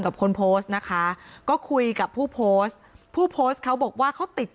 กับคนโพสต์นะคะก็คุยกับผู้โพสต์